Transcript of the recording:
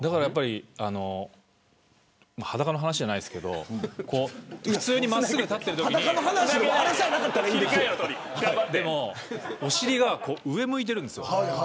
裸の話じゃないですけど普通に真っすぐ立っているときにお尻が上向いてるんです。